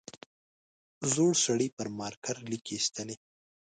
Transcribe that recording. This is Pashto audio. زوړ سړي پر مارکر ليکې ایستلې.